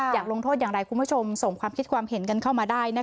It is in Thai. อยากลงโทษอย่างไรคุณผู้ชมส่งความคิดความเห็นกันเข้ามาได้